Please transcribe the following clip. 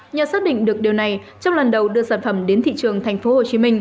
nhờ xác định được điều này trong lần đầu đưa sản phẩm đến thị trường tp hcm